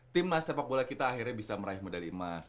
timnas sepak bola kita akhirnya bisa meraih medali emas